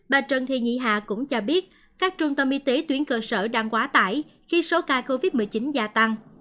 bà trần thị nhị hà cũng cho biết các trung tâm y tế tuyến cơ sở đang quá tải khi số ca covid một mươi chín gia tăng